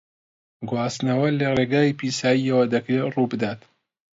گواستنەوە لە ڕێگای پیساییەوە دەکرێت ڕووبدات.